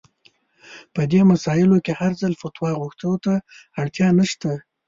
په دې مسايلو کې هر ځل فتوا غوښتو ته اړتيا نشته.